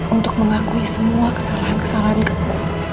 untuk mengakui semua kesalahan kesalahan kamu